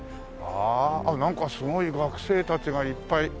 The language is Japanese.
あっなんかすごい学生たちがいっぱい。